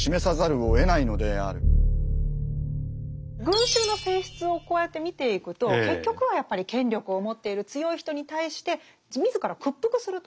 群衆の性質をこうやって見ていくと結局はやっぱり権力を持っている強い人に対して自ら屈服するという。